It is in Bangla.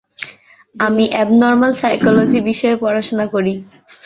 আমি অ্যাবনর্ম্যাল সাইকোলজি বিষয়ে পড়াশোনা করি।